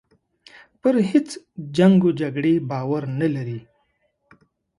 پر هیچ جنګ و جګړې باور نه لري.